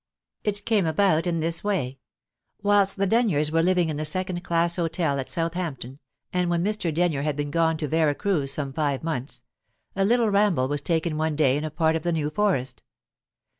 It came about in this way. Whilst the Denyers were living in the second class hotel at Southampton, and when Mr. Denyer had been gone to Vera Cruz some five months, a little ramble was taken one day in a part of the New Forest.